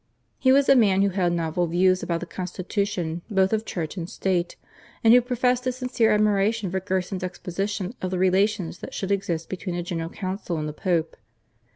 He was a man who held novel views about the constitution both of Church and State, and who professed his sincere admiration for Gerson's exposition of the relations that should exist between a General Council and the Pope.